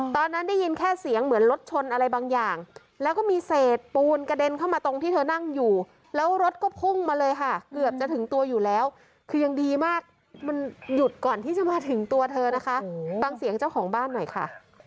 ตอนนั้นได้ยินแค่เสียงเหมือนรถชนอะไรบางอย่างแล้วก็มีเศษปูนกระเด็นเข้ามาตรงที่เธอนั่งอยู่แล้วรถก็พุ่งมาเลยค่ะเกือบจะถึงตัวอยู่แล้วคือยังดีมากมันหยุดก่อนที่จะมาถึงตัวเธอนะคะฟังเสียงเจ้าของบ้านหน่อยค่ะ